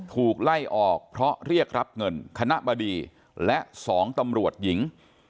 ถูกไล่ออกเพราะเรียกรับเงินคณะบดีและ๒ตำรวจหญิง